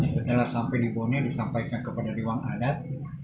setelah sampai di boneh disampaikan kepada dewan adat